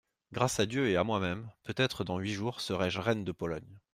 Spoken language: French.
Grâce à Dieu et à moi-même, peut-être dans huit jours serai-je reine de Pologne.